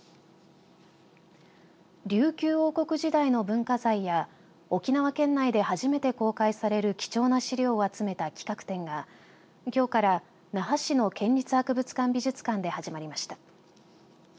琉球王国時代の文化財や沖縄県内で初めて公開される貴重な資料を集めた企画展がきょうから那覇市の県立博物館・美術館で始まりました。